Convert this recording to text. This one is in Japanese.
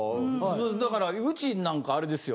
だからうちなんかあれですよ。